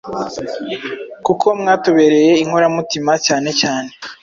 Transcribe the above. kuko mwatubereye inkoramutima cyane cyane